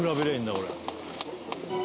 これ」